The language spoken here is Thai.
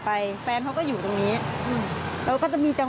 แล้วก็ไปเหรอคะใช่ค่ะ